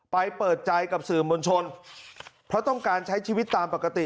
เปิดใจกับสื่อมวลชนเพราะต้องการใช้ชีวิตตามปกติ